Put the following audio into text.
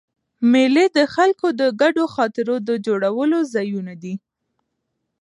مېلې د خلکو د ګډو خاطرو د جوړولو ځایونه دي.